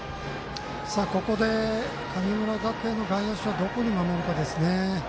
ここで神村学園の外野手はどこに守るかですね。